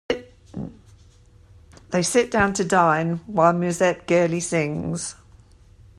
They sit down to dine, while Musette gaily sings.